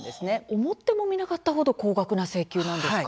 思ってもいなかったほど高額な請求なんですか。